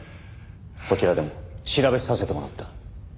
こちらでも調べさせてもらった。